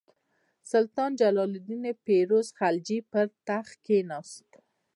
سلطان جلال الدین فیروز خلجي پر تخت کښېناست.